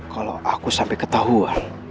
kalau aku sampai ketahuan